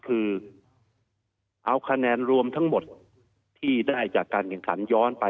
คือเอาคะแนนรวมทั้งหมดที่ได้จากการแข่งขันย้อนไป